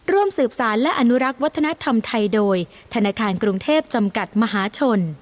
ร่วมสืบสารและอนุรักษ์วัฒนธรรมไทยโดยธนาคารกรุงเทพจำกัดมหาชน